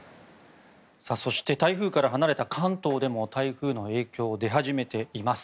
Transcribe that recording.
そして台風から離れた関東でも台風の影響で始めています。